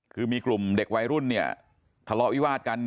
คือมีกลุ่มเด็กวัยรุ่นเนี่ยทะเลาะวิวาดกัน